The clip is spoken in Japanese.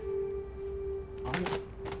あれ？